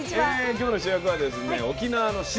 今日の主役はですね沖縄の島